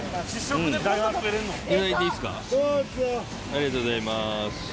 ありがとうございます。